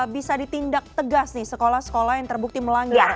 bisa ditindak tegas nih sekolah sekolah yang terbukti melanggar